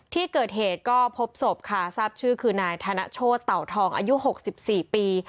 ที่เกิดเหตุก็พบศพค่ะทราบชื่อคือนายธนโชธเต่าทองอายุ๖๔ปี